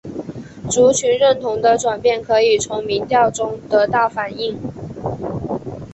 族群认同的转变可以从民调中得到反映。